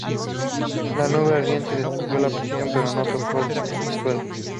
La nube ardiente destruyó la prisión pero no tocó el subsuelo.